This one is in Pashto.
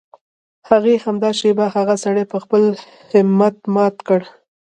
هغې همدا شېبه هغه سړی په خپل همت مات کړ.